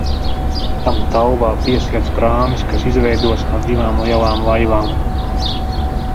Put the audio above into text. Tam tauvā piesiets prāmis, kas izveidots no divām lielām laivām.